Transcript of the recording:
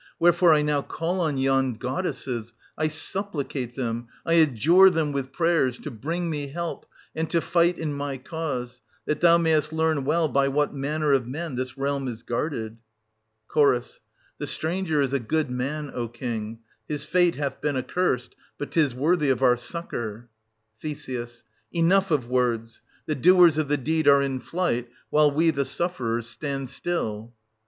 Wherefore I now call on yon goddesses, I supplicate them, I adjure them with prayers, to bring me help and to fight in my cause, that thou mayest learn well by what manner of men this realm is guarded. Ch. The stranger is a good man, O king ; his fate hath been accurst ; but 'tis worthy of our succour. Th. Enough of words :— the doers of the deed are in flight, while we, the sufferers, stand still.